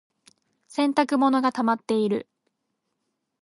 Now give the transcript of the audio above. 洗濯物がたまっている。